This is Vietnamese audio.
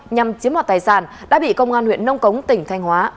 nhằm chiếm mọt tài sản đã bị công an huyện nông cống tỉnh thanh hóa